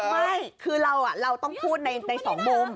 ไม่คือเราต้องพูดในสองมุม